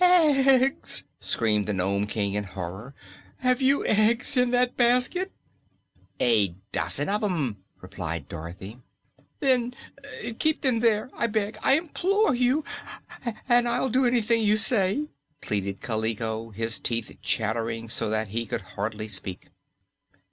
"Eggs!" screamed the Nome King in horror. "Have you eggs in that basket?" "A dozen of 'em," replied Dorothy. "Then keep them there I beg I implore you! and I'll do anything you say," pleaded Kaliko, his teeth chattering so that he could hardly speak.